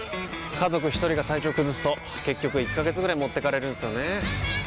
家族一人が体調崩すと結局１ヶ月ぐらい持ってかれるんすよねー。